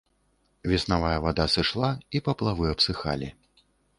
Веснавая вада сышла, і паплавы абсыхалі.